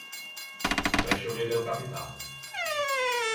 V Prešově byl kapitánem.